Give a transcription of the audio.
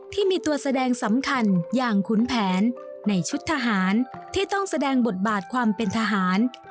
ที่มีตัวแสดงสำคัญอย่างขุนแผนในชุดทหารที่ต้องแสดงบทบาทความเป็นทหาร